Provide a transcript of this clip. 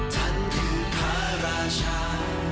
ท่านคือพระราชา